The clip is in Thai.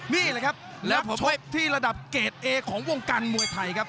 นี่แหละครับแล้วชกที่ระดับเกรดเอของวงการมวยไทยครับ